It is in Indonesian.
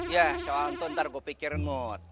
ya soal itu ntar gue pikirin lo